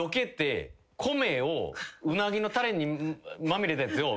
うなぎのタレにまみれたやつを。